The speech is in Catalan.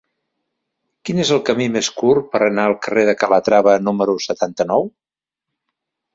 Quin és el camí més curt per anar al carrer de Calatrava número setanta-nou?